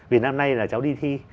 vì năm nay là cháu đi thi